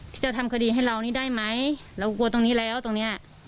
จะทำคดีให้เรานี่ได้ไหมเรากลัวตรงนี้แล้วตรงเนี้ย